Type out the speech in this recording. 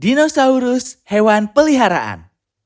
dinosaurus hewan peliharaan